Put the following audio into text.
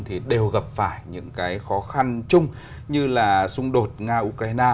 thì đều gặp phải những cái khó khăn chung như là xung đột nga ukraine